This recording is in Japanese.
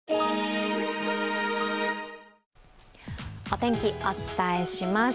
お天気、お伝えします。